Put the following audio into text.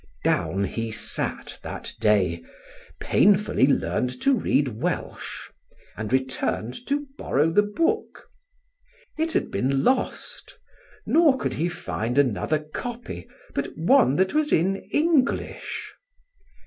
Down he sat that day, painfully learned to read Welsh, and returned to borrow the book. It had been lost, nor could he find another copy but one that was in English.